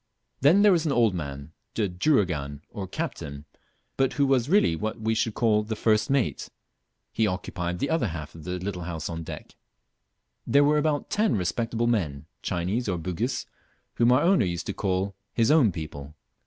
Then there was an old man, the "juragan," or captain, but who was really what we should call the first mate; he occupied the other half of the little house on deck. There were about ten respectable men, Chinese or Bugis, whom our owner used to call "his own people."